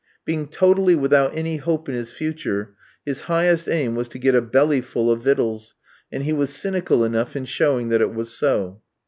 Being totally without any hope in his future, his highest aim was to get a bellyful of victuals, and he was cynical enough in showing that it was so.